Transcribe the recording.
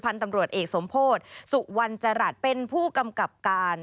ตำรวจเอกสมโพธิสุวรรณจรัสเป็นผู้กำกับการ